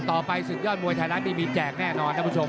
ต่อไปสุดยอดมวยไทยลัดมีแจกแน่นอนนะคุณผู้ชม